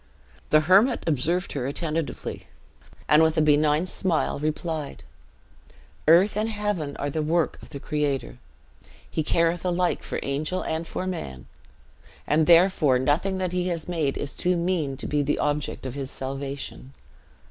The hermit observed her attentively; and, with a benign smile, replied, "Earth and heaven are the work of the Creator. He careth alike for angel and for man; and therefore nothing that he has made is too mean to be the object of his salvation.